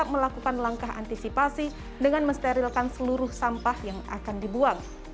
melakukan langkah antisipasi dengan mensterilkan seluruh sampah yang akan dibuang